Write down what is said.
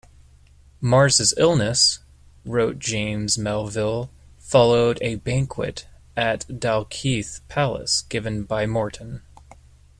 Mar's illness, wrote James Melville, followed a banquet at Dalkeith Palace given by Morton.